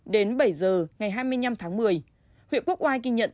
đến bảy giờ ngày hai mươi năm tháng một mươi huyện quốc oai ghi nhận